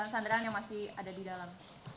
sanderaan yang masih ada di dalam